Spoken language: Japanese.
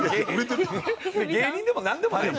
芸人でもなんでもない。